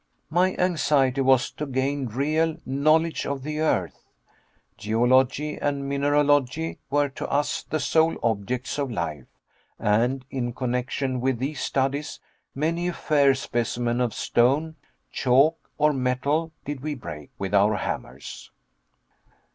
My anxiety was to gain real knowledge of the earth. Geology and mineralogy were to us the sole objects of life, and in connection with these studies many a fair specimen of stone, chalk, or metal did we break with our hammers.